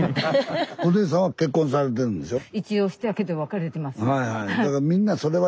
お姉さんは結婚されてるんでしょ？